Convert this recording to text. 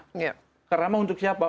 karena ramah untuk siapa